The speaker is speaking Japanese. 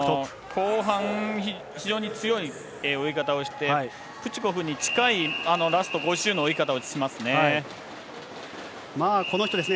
後半、非常に強い泳ぎ方をして、プチコフに近いラスト５０の泳ぎ方をしますね。